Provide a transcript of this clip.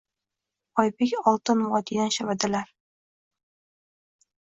Oybek, Oltin vodiydan shabadalar